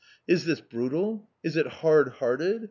Is this brutal? Is it hard hearted?